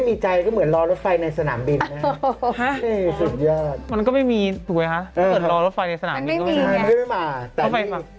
นี่ครับผมครบกับคนไม่มีใจเหมือนรอรถไฟในสนามบิน